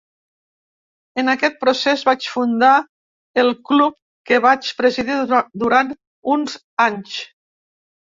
En aquest procés, vaig fundar el club que vaig presidir durant uns anys.